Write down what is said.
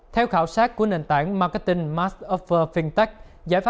theo khảo sát của nền tảng marketing master of fintech